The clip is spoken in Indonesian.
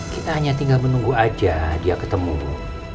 kita hanya tinggal menunggu aja dia ketemu bu